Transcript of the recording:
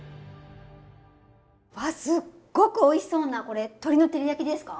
わあすっごくおいしそうな。これ鶏の照り焼きですか？